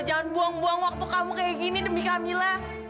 jangan buang buang waktu kamu kayak gini demi camilla